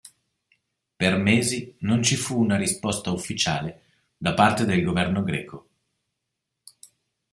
Per mesi non ci fu una risposta ufficiale da parte del governo greco.